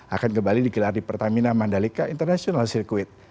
akan kembali digelar di pertamina mandalika international circuit